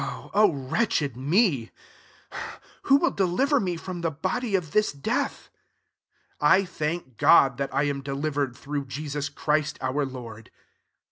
24 O wretched me !^" will deliver me from the btfl of this death ? 25 I thank Gm that I am deliver ed^ thn^ Jesus Christ our Lord.